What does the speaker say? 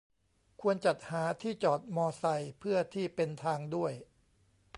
ควรจัดหาที่จอดมอไซค์เพื่อที่เป็นทางด้วย